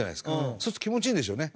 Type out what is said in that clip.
そうすると気持ちいいんでしょうね。